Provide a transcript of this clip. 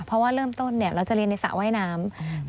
เพราะว่าเริ่มต้นเราจะเรียนในสระว่ายน้ำ